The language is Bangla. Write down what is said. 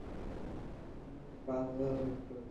পাঁচ হাজার হেক্টর জমির সদ্য রোপণ করা আমন ধান তলিয়ে গেছে।